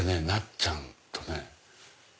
ちゃんとね